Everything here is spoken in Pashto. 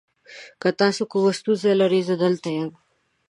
که تاسو کومه ستونزه لرئ، زه دلته یم.